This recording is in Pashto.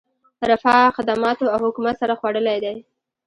رفاه، خدماتو او حکومت سر خوړلی دی.